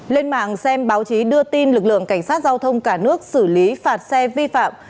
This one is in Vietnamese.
lên mạng xem báo chí đưa tin lực lượng cảnh sát giao thông cả nước xử lý phạt xe vi phạm